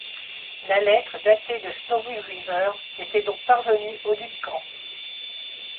La lettre datée de Snowy-River était donc parvenue au Duncan?